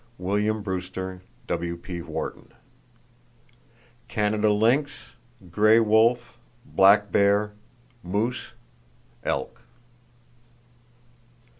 —(William Brewster, W.P. Wharton); Canada lynx, gray wolf, black bear, moose, elk.